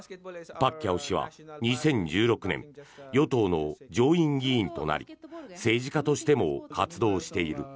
パッキャオ氏は２０１６年与党の上院議員となり政治家としても活動している。